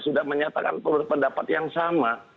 sudah menyatakan berpendapat yang sama